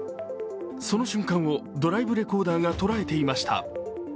その瞬間をドライブレコーダーが捉えていました。